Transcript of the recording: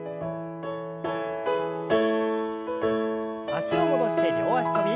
脚を戻して両脚跳び。